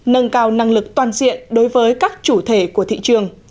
nâng cao năng lực toàn diện đối với các chủ thể của thị trường